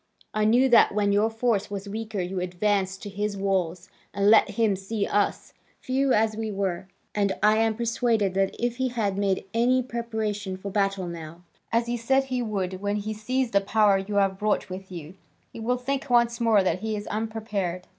I knew that when your force was weaker you advanced to his walls, and let him see us, few as we were, and I am persuaded that if he has made any preparation for battle now, as he said he would, when he sees the power you have brought with you, he will think once more that he is unprepared."